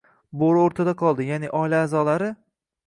Bo'ri o'rtada qoldi, ya'ni oila a'zolari